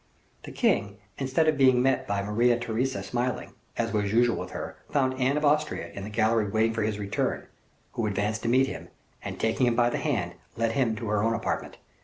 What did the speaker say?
The king, instead of being met by Maria Theresa smiling, as was usual with her, found Anne of Austria in the gallery watching for his return, who advanced to meet him, and taking him by the hand, led him to her own apartment.